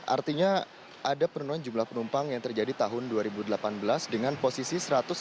artinya ada penurunan jumlah penumpang yang terjadi tahun dua ribu delapan belas dengan posisi satu ratus enam puluh